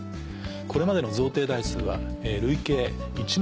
これまでの贈呈台数は累計。